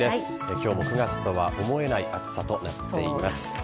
今日も９月とは思えない暑さとなっています。